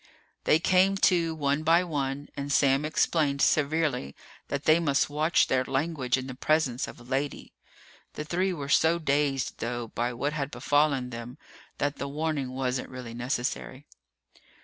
They came to, one by one, and Sam explained severely that they must watch their language in the presence of a lady. The three were so dazed, though, by what had befallen them that the warning wasn't really necessary.